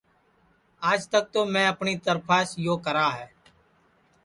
آج تک تو میں اپٹؔی ترپھاس یو کرا ہے